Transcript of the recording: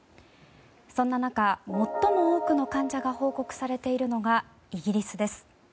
そんな中、最も多くの患者が報告されているのがイギリスです。